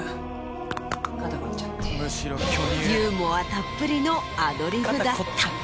ユーモアたっぷりのアドリブだった。